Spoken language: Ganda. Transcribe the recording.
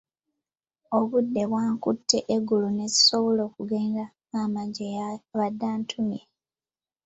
Obudde bwankutte eggulo n’essisobola kugenda maama gye yabadde antumye.